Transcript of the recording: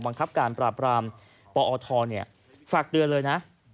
บังคับการปราบรามปอทฝากเตือนเลยนะ